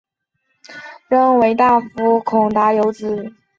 孔达有子得闾叔榖仍为大夫。